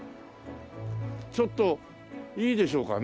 ちょっといいでしょうかね？